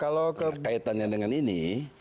nah kaitannya dengan ini